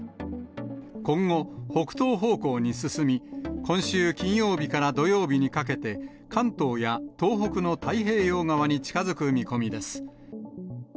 今後、北東方向に進み、今週金曜日から土曜日にかけて、関東や東北の太平洋側に近づく見込みです。